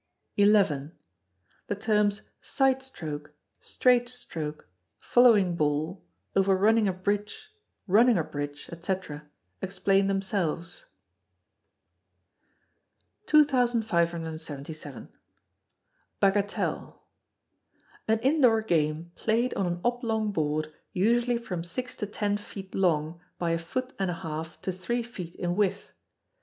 xi. The terms side stroke, straight stroke, following ball, over running a bridge, running a bridge, &c., explain themselves. 2577. Bagatelle. An indoor game played on an oblong board usually from six to ten feet long by a foot and a half to three feet in width.